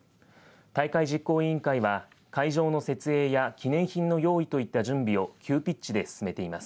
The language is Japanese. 大会実行委員会は会場の設営や記念品の用意といった準備を急ピッチで進めています。